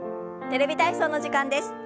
「テレビ体操」の時間です。